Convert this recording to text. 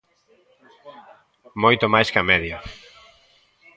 Moito máis que a media.